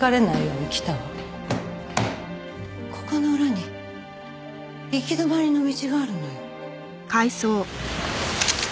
ここの裏に行き止まりの道があるのよ。